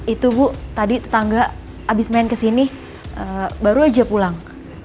itu bu tadi tetangga habis main kesini baru aja pulang